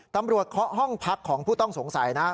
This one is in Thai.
เคาะห้องพักของผู้ต้องสงสัยนะ